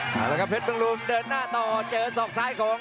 อย่างพริกบิลรุนเดินหน้าต่อเจอศอกสายของ